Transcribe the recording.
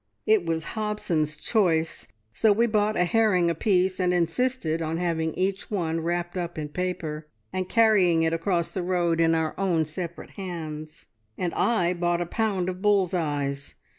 "It was Hobson's choice, so we bought a herring apiece, and insisted on having each one wrapped up in paper, and carrying it across the road in our own separate hands, and I bought a pound of bull's eyes.